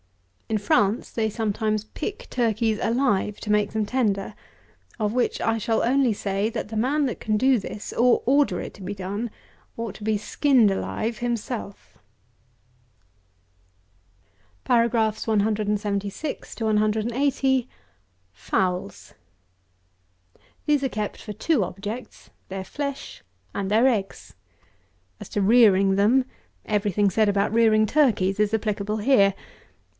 In France they sometimes pick turkeys alive, to make them tender; of which I shall only say, that the man that can do this, or order it to be done, ought to be skinned alive himself. FOWLS. 176. These are kept for two objects; their flesh and their eggs. As to rearing them, every thing said about rearing turkeys is applicable here.